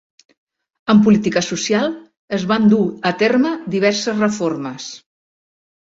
En política social, es van dur a terme diverses reformes.